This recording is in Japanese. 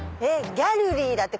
「ギャルリー」だって。